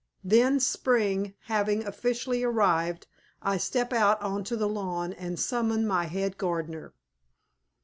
Then, Spring having officially arrived, I step out on to the lawn and summon my head gardener.